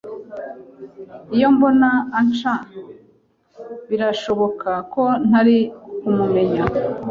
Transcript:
Iyo mbona Anca, birashoboka ko ntari kumumenya.